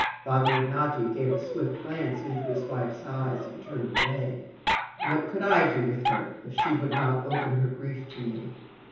Father Ignaty gave a swift glance into his wife's eyes, and turned away. "What could I do with her, if she would not open her grief to me.